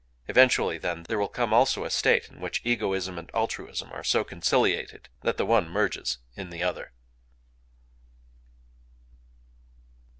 Eventually, then, there will come also a state in which egoism and altruism are so conciliated that the one merges in the other."